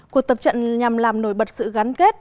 cuộc tập trận nhằm làm nổi bật sự gắn kết